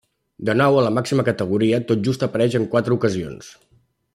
De nou a la màxima categoria, tot just apareix en quatre ocasions.